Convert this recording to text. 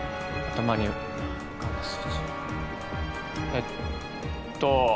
えっと。